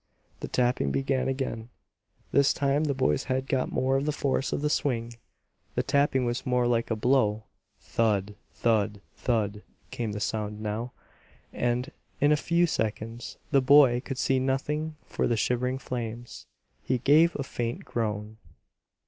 The tapping began again. This time the boy's head got more of the force of the swing; the tapping was more like a blow. THUD THUD THUD came the sound now; and in a few seconds the boy could see nothing for the shivering flames. He gave a faint groan.